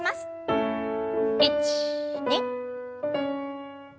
１２。